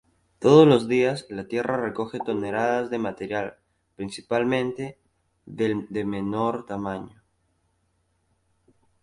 Todos los días, la Tierra recoge toneladas del material, principalmente del de menor tamaño.